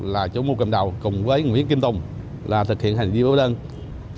là chủ mua cầm đầu cùng với nguyễn kim tùng là thực hiện hành vi mua bán trái phép hóa đơn